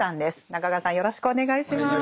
中川さんよろしくお願いします。